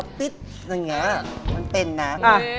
นี่ไงยังมันเป็นน่ะ